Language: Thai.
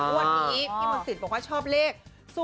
วันนี้พี่มันสิทธิ์บอกว่าชอบเลข๐๔๕๙๒๙